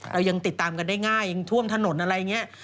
เรายังติดตามกันได้ง่ายยังท่วมถนนอะไรอย่างนี้